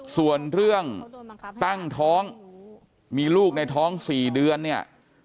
ส่วนเรื่องตั้งท้องมีลูกในท้อง๔เดือนเนี่ย